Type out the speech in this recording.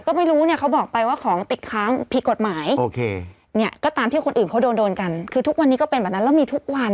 ก็ไม่รู้เนี่ยเขาบอกไปว่าของติดค้างผิดกฎหมายโอเคเนี่ยก็ตามที่คนอื่นเขาโดนโดนกันคือทุกวันนี้ก็เป็นแบบนั้นแล้วมีทุกวัน